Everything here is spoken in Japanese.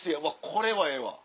これはええわ。